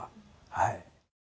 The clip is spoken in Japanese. はい。